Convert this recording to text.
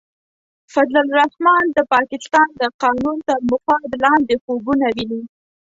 فضل الرحمن د پاکستان د قانون تر مفاد لاندې خوبونه ویني.